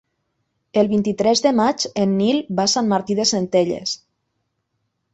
El vint-i-tres de maig en Nil va a Sant Martí de Centelles.